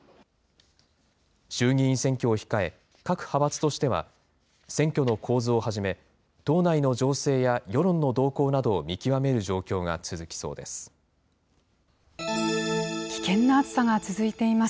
衆議院選挙を控え、各派閥としては選挙の構図をはじめ、党内の情勢や世論の動向などを見極める状況が続きそうです。